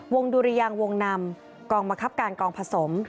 ดุรยางวงนำกองบังคับการกองผสม